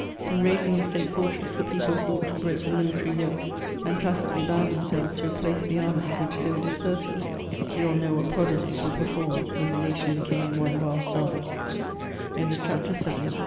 * In razing a state fortress, the people thought to break the military yoke, and tacitly bound themselves to replace the army whicn they were dispersing ; we all know what prodigies were performed iyhen the nation beca